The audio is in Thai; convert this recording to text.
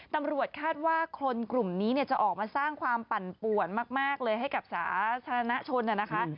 ตำรวจคาดว่าคนกลุ่มนี้เนี่ยจะออกมาสร้างความปั่นป่วนมากเลยให้กับสาธารณชนนะคะ